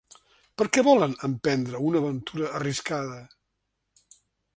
Per què volen emprendre una aventura arriscada?